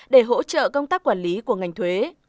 để hỗ trợ công tác quản lý của ngành thuế